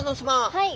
はい。